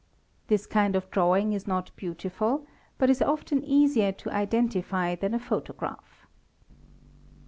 Thi kind of drawing is not beautiful but is foes easier to identify thal photograph ©!